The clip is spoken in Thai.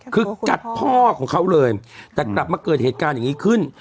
คือกัดพ่อของเขาเลยแต่กลับมาเกิดเหตุการณ์อย่างนี้ขึ้น